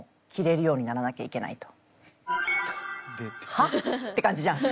「はっ？」て感じじゃん。